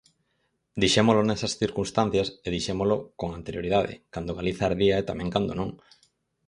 Dixémolo nesas circunstancias e dixémolo con anterioridade, cando Galiza ardía e tamén cando non.